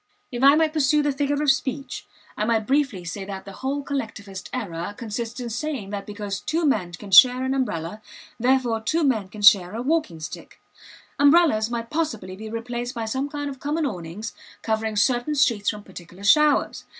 If I might pursue the figure of speech, I might briefly say that the whole Collectivist error consists in saying that because two men can share an umbrella, therefore two men can share a walking stick. Umbrellas might possibly be replaced by some kind of common awnings covering certain streets from particular showers.